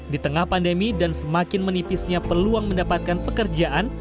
di tengah pandemi dan semakin menipisnya peluang mendapatkan pekerjaan